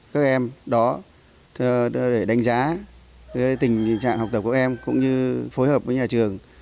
các em đó để đánh giá tình trạng học tập của em cũng như phối hợp với nhà trường